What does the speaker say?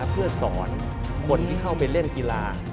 เพื่อสอนคนที่เข้าไปเล่นกีฬา